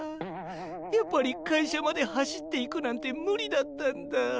やっぱり会社まで走っていくなんてむりだったんだ。